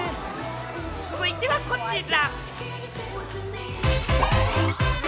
続いてはこちら。